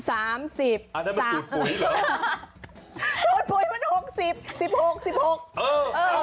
อ่ะนั่นเป็นสูตรปุ๋ยเหรอ